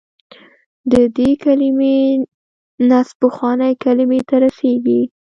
د دې کلمې نسب پخوانۍ کلمې ته رسېږي.